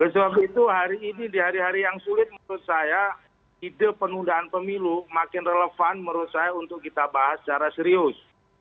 sebab itu hari ini di hari hari yang sulit menurut saya ide penundaan pemilu makin relevan menurut saya untuk kita bahas secara serius